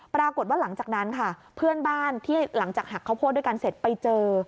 ปรากฏว่าหลังจากนั้นค่ะเพื่อนบ้านที่หลังจากหักข้าวโพดด้วยกันเสร็จไปเจอ